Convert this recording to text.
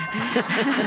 ハハハハ。